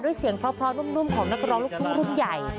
ด้วยเสียงพร้อมนุ่มของนักร้องลูกคู่รุ่งใหญ่